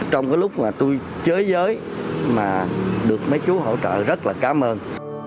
trong cái lúc mà tôi chơi giới mà được mấy chú hỗ trợ rất là cảm ơn